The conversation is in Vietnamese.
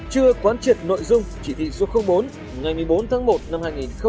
chưa quán triệt nội dung chỉ thị số bốn ngày một mươi bốn tháng một năm hai nghìn hai mươi